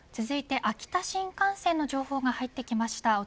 続いて秋田新幹線の情報が入ってきました。